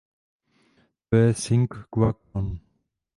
To je sine qua non .